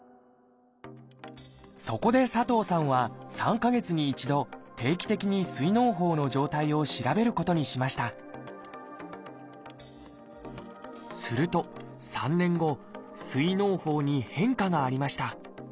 そこで佐藤さんは３か月に一度定期的に膵のう胞の状態を調べることにしましたすると３年後膵のう胞に変化がありました。